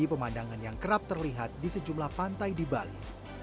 pemandangan yang kerap terlihat di sejumlah pantai di bali